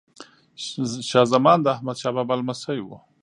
شاه زمان د احمد شاه بابا لمسی وه.